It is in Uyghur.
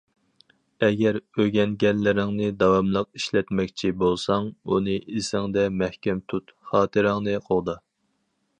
ئەگەر ئۆگەنگەنلىرىڭنى داۋاملىق ئىشلەتمەكچى بولساڭ ئۇنى ئېسىڭدە مەھكەم تۇت، خاتىرەڭنى قوغدا.